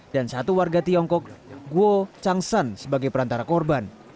dan satu warga tiongkok guo changshan sebagai perantara korban